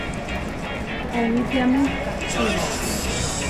Owítiame kahtí.